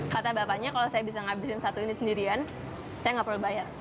kata bapaknya kalau saya bisa ngabisin satu ini sendirian saya nggak perlu bayar